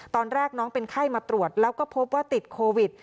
ตอนแรกน้องเป็นไข้มาตรวจแล้วก็พบว่าติดโควิด